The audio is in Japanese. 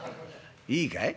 いいかい？